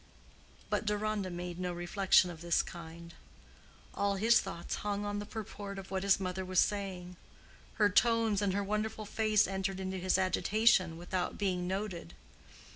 But Deronda made no reflection of this kind. All his thoughts hung on the purport of what his mother was saying; her tones and her wonderful face entered into his agitation without being noted.